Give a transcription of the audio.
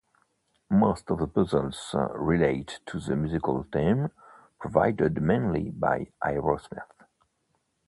Most of the puzzles relate to the musical theme, provided mainly by Aerosmith.